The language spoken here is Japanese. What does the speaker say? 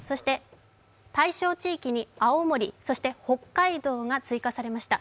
対象地域に青森、そして北海道が追加されました。